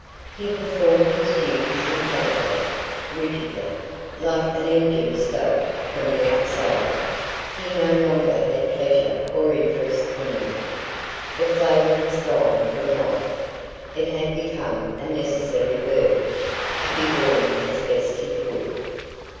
He performed his duties mechanically, rigidly, like an engine stoked from the outside. He no longer had pleasure or interest in them. The flavour was gone from life; it had become a necessary burden, to be borne as best he could.